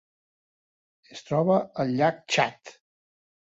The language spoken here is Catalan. Es troba al llac Txad.